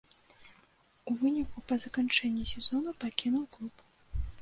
У выніку па заканчэнні сезону пакінуў клуб.